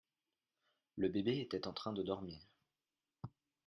Le bébé était en train de dormir.